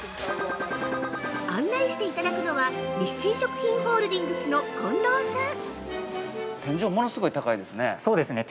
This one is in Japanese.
案内していただくのは日清食品ホールディングスの近藤さん。